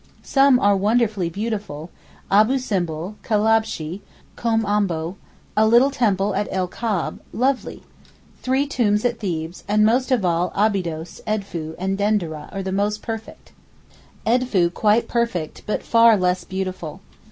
Some are wonderfully beautiful—Abou Simbel, Kalabshee, Room Ombo—a little temple at El Kab, lovely—three tombs at Thebes and most of all Abydos; Edfou and Dendera are the most perfect, Edfou quite perfect, but far less beautiful.